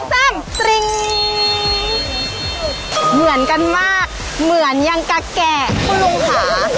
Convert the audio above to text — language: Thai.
เหมือนกันมากเหมือนยังกะแกะคุณลุงค่ะ